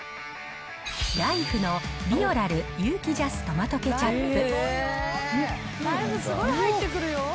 ライフのビオラル有機ＪＡＳトマトケチャップ。